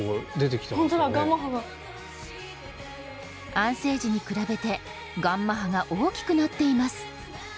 安静時に比べてγ波が大きくなっています。